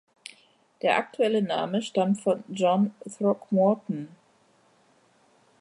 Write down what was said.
Der aktuelle Name stammt von John Throckmorton.